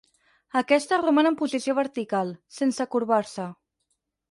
Aquesta roman en posició vertical, sense corbar-se.